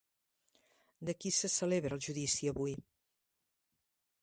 De qui se celebra el judici avui?